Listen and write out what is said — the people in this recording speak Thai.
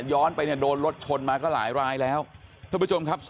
ย้อนไปโดนรถชนมาก็หลายแล้วทุกประจบครับ